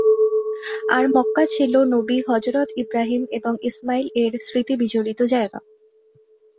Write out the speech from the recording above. আর মক্কা ছিল নবী হযরত ইব্রাহিম এবং ইসমাইল -এর স্মৃতিবিজড়িত জায়গা।